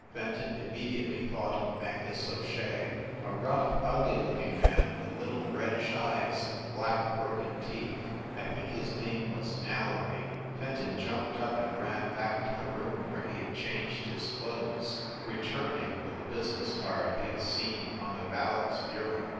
Fenton immediately thought of Mangus O Shea. "A rough, ugly looking man, with little reddish eyes, and black, broken teeth. I think his name was Nailery." Fenton jumped up and ran back to the room where he had changed his clothes, returning with the business card he had seen on the valet s bureau.